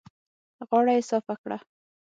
غاړه يې صافه کړه.